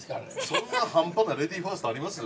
◆そんな半端なレディファーストあります？